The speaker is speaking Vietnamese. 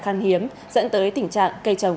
khăn hiếm dẫn tới tình trạng cây trồng